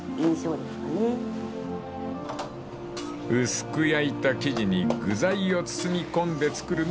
［薄く焼いた生地に具材を包み込んで作るのが特徴］